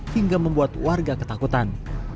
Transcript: hingga membuat warga ketakutan